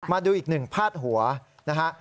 มาดูอีกหนึ่งพาดหัวนะฮะ